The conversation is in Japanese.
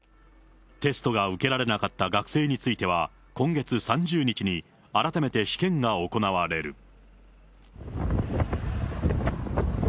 テストが受けられなかった学生については、今月３０日に改めて試験が行われる。